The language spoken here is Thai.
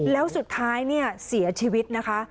แล้วสุดท้ายเสียชีวิตนะคะ